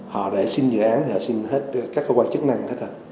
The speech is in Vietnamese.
họ để xin dự án thì họ xin hết các cơ quan chức năng hết rồi